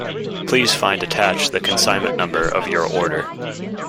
Please find attached the consignment number of your order.